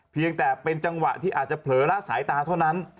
เพียงแต่เป็นจังหวะที่อาจจะเผลอละสายตาเท่านั้น